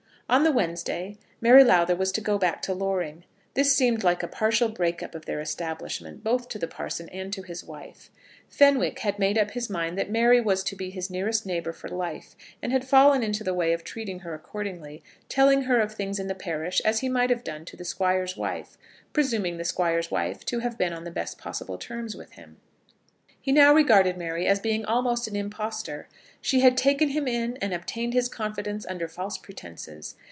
On the Wednesday Mary Lowther was to go back to Loring. This seemed like a partial break up of their establishment, both to the parson and his wife. Fenwick had made up his mind that Mary was to be his nearest neighbour for life, and had fallen into the way of treating her accordingly, telling her of things in the parish as he might have done to the Squire's wife, presuming the Squire's wife to have been on the best possible terms with him. He now regarded Mary as being almost an impostor. She had taken him in and obtained his confidence under false pretences.